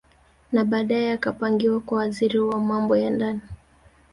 Na baadae akapangiwa kuwa Waziri wa Mambo ya Ndani